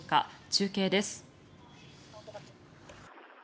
中継です。